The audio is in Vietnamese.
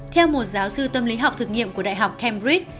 theo một giáo sư tâm lý học thực nghiệm của đại học cambridge